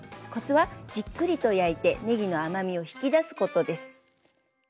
コツはじっくりと焼いてねぎの甘みを引き出すことです。